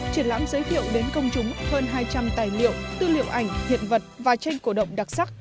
triển lãm giới thiệu đến công chúng hơn hai trăm linh tài liệu tư liệu ảnh hiện vật và tranh cổ động đặc sắc